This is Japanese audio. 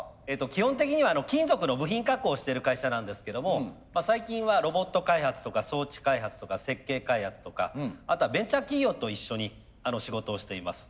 基本的には金属の部品加工をしてる会社なんですけども最近はロボット開発とか装置開発とか設計開発とかあとはベンチャー企業と一緒に仕事をしています。